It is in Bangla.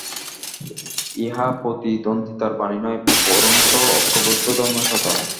ইহা প্রতিদ্বন্দ্বিতার বাণী নয়, পরন্তু ঐক্যবদ্ধ ধর্মের কথা।